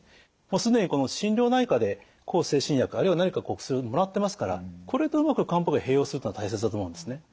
もう既に心療内科で向精神薬あるいは何か薬をもらってますからこれとうまく漢方薬を併用するというのが大切だと思うんですね。